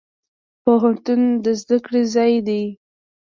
پوهنتون د زده کړي ځای دی.